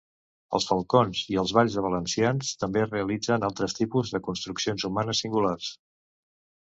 Els falcons i balls de valencians també realitzen altres tipus de construccions humanes singulars.